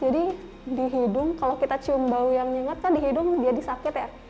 jadi di hidung kalau kita cium bau yang menyengat kan di hidung jadi sakit ya